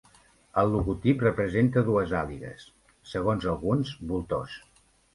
El logotip representa dues àligues; segons alguns, voltors.